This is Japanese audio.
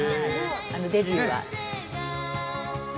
デビューが。